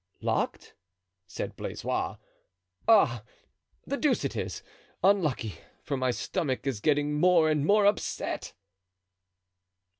"Locked!" said Blaisois; "ah! the deuce it is; unlucky, for my stomach is getting more and more upset."